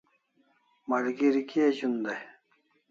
Malgeri kia z'un dai?